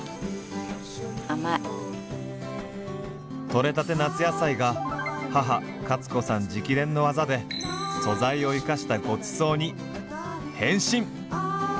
取れたて夏野菜が母カツ子さん直伝のワザで素材を生かしたごちそうに変身！